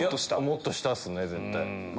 もっと下っすね絶対。